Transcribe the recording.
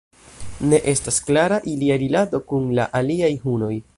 Ne estas klara ilia rilato kun la aliaj hunoj.